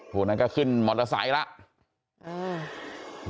วันนั้นก็ขึ้นมอเตอร์ไซค์แล้ว